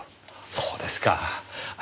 そうですか。